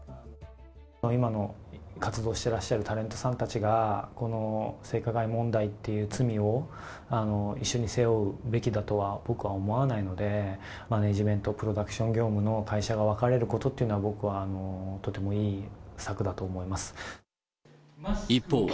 今の活動してらっしゃるタレントさんたちが、この性加害問題っていう罪を一緒に背負うべきだとは僕は思わないので、マネージメント・プロダクション業務の会社が分かれることっていうのは、僕はとてもいい策だと思います。